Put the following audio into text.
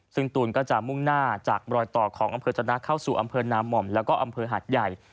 ซึ่งตูนก็จะมุ่งหน้าจากรอยต่อของอำเภอจนะเข้าสู่อำเภอนามห่อมแล้วก็อำเภอหาดใหญ่